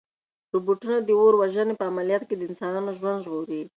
روبوټونه د اور وژنې په عملیاتو کې د انسانانو ژوند ژغوري.